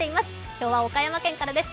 今日は岡山県からです。